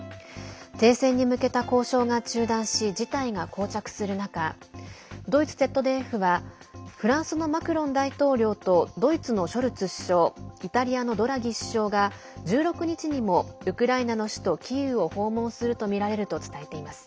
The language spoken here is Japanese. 停戦に向けた交渉が中断し事態がこう着する中ドイツＺＤＦはフランスのマクロン大統領とドイツのショルツ首相イタリアのドラギ首相が１６日にもウクライナの首都キーウを訪問するとみられると伝えています。